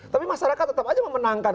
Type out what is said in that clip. tapi masyarakat tetap aja memenangkan